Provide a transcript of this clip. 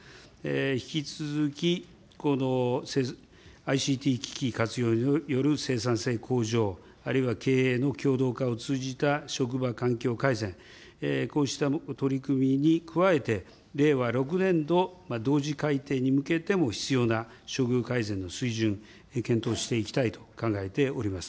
引き続き、このＩＣＴ機器活用による生産性向上、あるいは経営のきょうどう化を通じた職場環境改善、こうした取り組みに加えて、令和６年度同時改定に向けても必要な処遇改善の水準、検討していきたいと考えております。